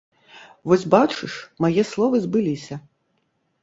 Вось бачыш, мае словы збыліся.